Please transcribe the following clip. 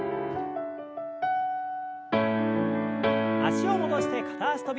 脚を戻して片脚跳び。